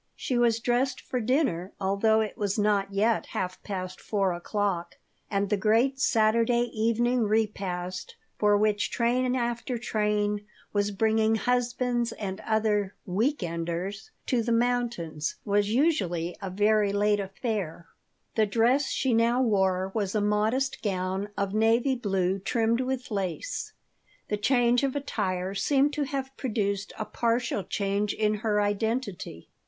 She was dressed for dinner, although it was not yet half past 4 o'clock and the great Saturday evening repast, for which train after train was bringing husbands and other "weekenders" to the mountains, was usually a very late affair The dress she now wore was a modest gown of navy blue trimmed with lace. The change of attire seemed to have produced a partial change in her identity.